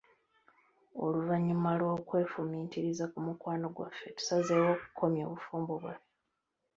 Oluvannyuma lw'okwefumiitiriza ku mukwano gwaffe, tusazeewo okukomya obufumbo bwaffe.